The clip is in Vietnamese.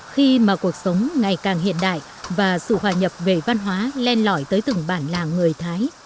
khi mà cuộc sống ngày càng hiện đại và sự hòa nhập về văn hóa len lõi tới từng bản làng người thái